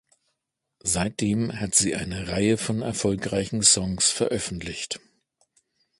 Seitdem hat sie eine Reihe von erfolgreichen Songs veröffentlicht.